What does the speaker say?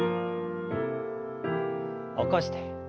起こして。